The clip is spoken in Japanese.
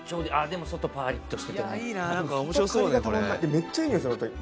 めっちゃいいにおいする。